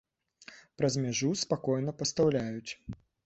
Праз мяжу спакойна пастаўляюць!